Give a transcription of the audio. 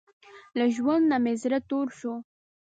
له ژوند نۀ مې زړه تور شو